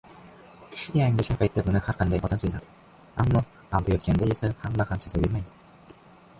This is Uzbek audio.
Kishi yanglishgan paytda buni har qaiday odam sezadi, ammo aldayotganda esa hamma ham sezavermaydi.